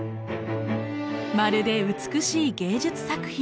まるで美しい芸術作品。